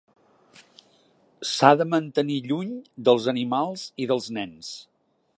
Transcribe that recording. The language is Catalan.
S'ha de mantenir lluny dels animals i dels nens.